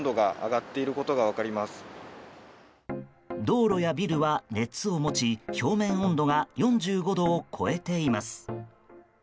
道路やビルは熱を持ち表面温度が４５度を超えています。